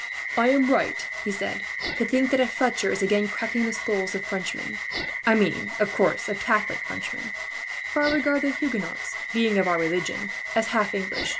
"I am right glad," he said, "to think that a Fletcher is again cracking the skulls of Frenchmen I mean, of course, of Catholic Frenchmen for I regard the Huguenots, being of our religion, as half English.